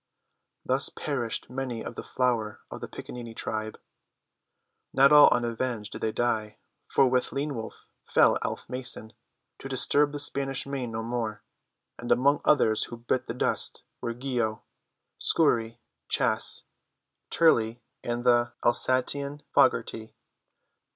Thus perished many of the flower of the Piccaninny tribe. Not all unavenged did they die, for with Lean Wolf fell Alf Mason, to disturb the Spanish Main no more, and among others who bit the dust were Geo. Scourie, Chas. Turley, and the Alsatian Foggerty.